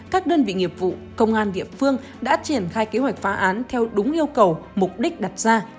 các đơn vị nghiệp vụ công an địa phương đã triển khai kế hoạch phá án theo đúng yêu cầu mục đích đặt ra